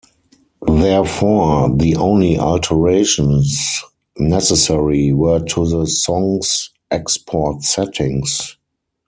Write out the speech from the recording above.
Therefore, the only alterations necessary were to the songs' export settings.